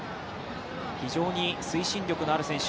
非常に推進力のある選手